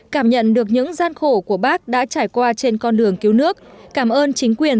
cảm nhận được những gian khổ của bác đã trải qua trên con đường cứu nước cảm ơn chính quyền